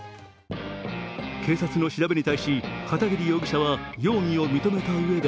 警察の調べに対し片桐容疑者は容疑を認めたうえで